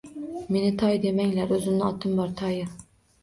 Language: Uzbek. Meni Toy demanglar, o‘zimning otim bor — Toyir.